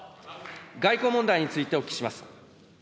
外交問題についてお聞きします。